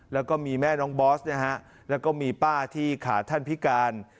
แล้วก็มีแม่น้องบอสนะฮะแล้วก็มีป้าที่ขาท่านพิการ